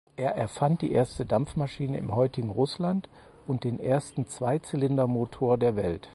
Er erfand die erste Dampfmaschine im heutigen Russland und den ersten Zweizylindermotor der Welt.